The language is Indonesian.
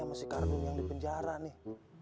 sama si kardun yang di penjara nih